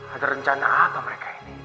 ada rencana apa mereka ini